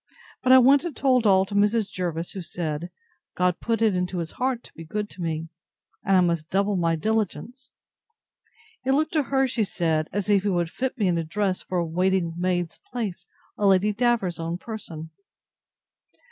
But I went and told all to Mrs. Jervis, who said, God put it into his heart to be good to me; and I must double my diligence. It looked to her, she said, as if he would fit me in dress for a waiting maid's place on Lady Davers's own person.